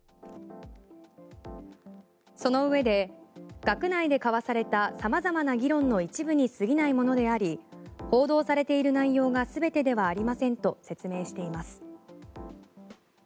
その上で学内で交わされた様々な議論の一部にすぎないものであり報道されている内容が全てではありませんと説明しています。